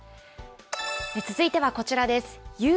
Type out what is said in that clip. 続いてはこちらです。